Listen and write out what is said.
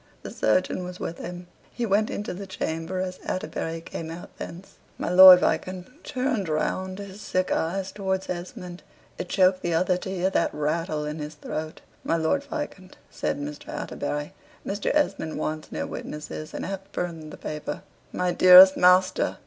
The surgeon was with him. He went into the chamber as Atterbury came out thence. My Lord Viscount turned round his sick eyes towards Esmond. It choked the other to hear that rattle in his throat. "My Lord Viscount," says Mr. Atterbury, "Mr. Esmond wants no witnesses, and hath burned the paper." "My dearest master!"